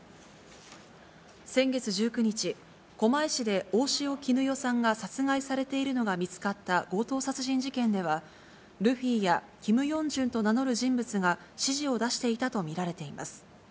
先月１９日、狛江市で大塩衣与さんが殺害されているのが見つかった強盗殺人事件では、ルフィやキム・ヨンジュンと名乗る人物が指示を出していたと見られています。